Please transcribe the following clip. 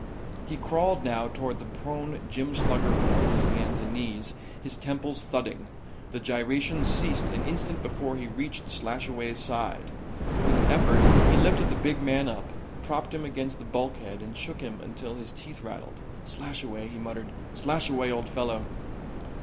He crawled now toward the prone gym slugger on his hands and knees, his temples thudding. The gyrations ceased an instant before he reached Slashaway's side. With an effort he lifted the big man up, propped him against the bulkhead and shook him until his teeth rattled. "Slashaway," he muttered. "Slashaway, old fellow."